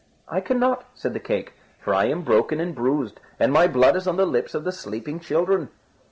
"I cannot," said the cake, "for I am broken and bruised, and my blood is on the lips of the sleeping children."